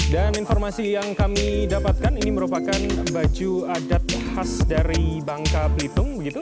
dan informasi yang kami dapatkan ini merupakan baju adat khas dari bangka pelitung